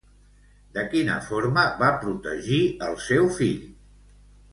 De quina forma va protegir el seu fill?